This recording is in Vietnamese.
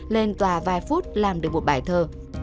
lên tòa vài phút làm được một bài thơ